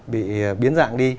bị biến dạng đi